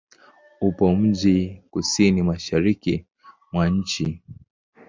Upo mjini kusini-mashariki mwa nchi.